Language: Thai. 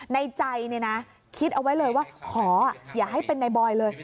ในใจเนี่ยนะคิดเอาไว้เลยว่าขออย่าให้เป็นในบอยเลย